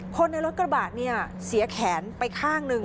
คนในรถกระบะเนี่ยเสียแขนไปข้างหนึ่ง